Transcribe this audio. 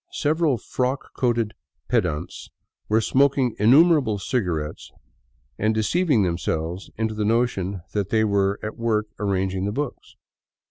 Several frock coated pedants were smoking innumerable cigarettes and deceiving themselves into the notion that they were at work arranging the books.